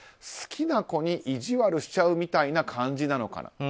好きな子に意地悪しちゃうみたいな感じなのかな。